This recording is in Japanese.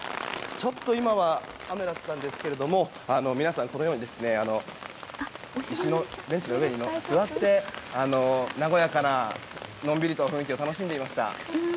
ちょっと今は雨だったんですけれども皆さん、このようにベンチの上に座って和やかなのんびりとした雰囲気を楽しんでいました。